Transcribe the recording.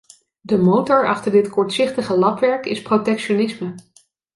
De motor achter dit kortzichtige lapwerk is protectionisme.